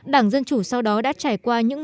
đảng dân chủ sau đó đã trải qua những